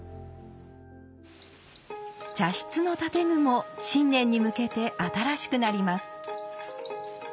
茶室の建具も新年に向けて新しくなります。